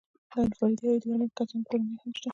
د انفرادي عاید لرونکو کسانو کورنۍ هم شته